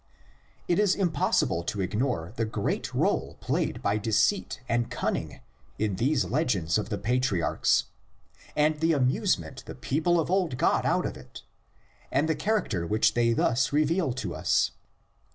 It is impossible to ignore the great role played by deceit and cun ning in these legends of the patriarchs, and the amusement the people of old got out of it, and the character which they thus reveal to us.